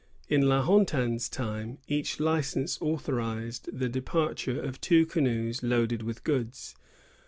In La Hontan's time, each license authorized the departure of two canoes loaded with goods.